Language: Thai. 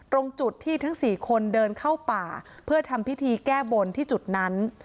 ตรงจุดที่ทั้ง๔คนเดินเข้าป่าเพื่อทำพิธีแก้บนที่จุดนั้น